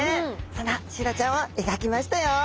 そんなシイラちゃんを描きましたよ。